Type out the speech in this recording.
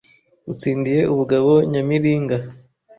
Utsindiye ubugabo Nyamiringa